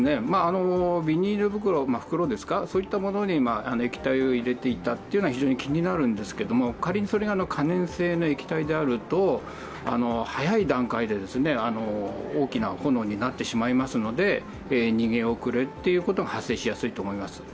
袋に液体を入れていたというのは非常に気になるんですが、仮にそれが可燃性の液体であると早い段階で大きな炎になってしまいますので逃げ遅れということが発生しやすいと思います。